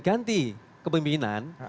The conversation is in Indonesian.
ganti ke pembimbingan